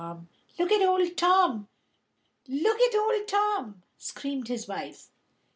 "Look at Old Tom, look at Old Tom!" screamed his wife.